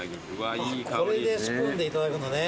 これでスプーンでいただくのね。